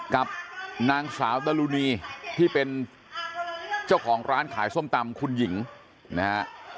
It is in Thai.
กับนางสาวดรุณีที่เป็นเจ้าของร้านขายส้มตำคุณหญิงนะฮะ